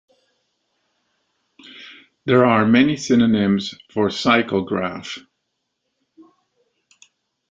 There are many synonyms for "cycle graph".